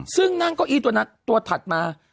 ซึ่งนั่งเก้าอี้ตัวนั้นตัวถัดมา